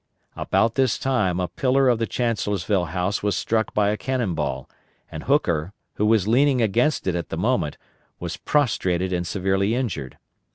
About this time a pillar of the Chancellorsville House was struck by a cannon ball, and Hooker, who was leaning against it at the moment, was prostrated and severely injured.